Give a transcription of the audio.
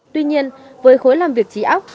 tuy nhiên với khối làm việc trí óc